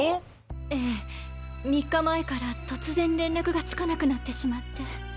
ええ３日前から突然連絡がつかなくなってしまって。